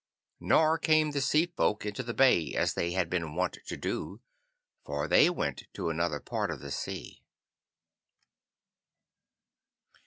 Nor came the Sea folk into the bay as they had been wont to do, for they went to another part of the sea.